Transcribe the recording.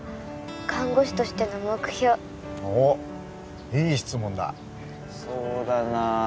看護師としての目標おっいい質問だそうだな